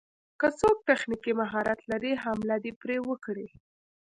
که څوک تخنيکي مهارت لري حمله دې پرې وکړي.